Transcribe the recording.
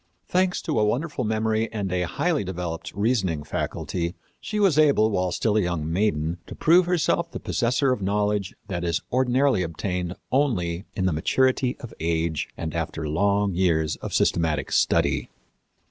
Thanks to a wonderful memory and a highly developed reasoning faculty, she was able, while still a young maiden, to prove herself the possessor of knowledge that is ordinarily obtained only in the maturity of age and after long years of systematic study.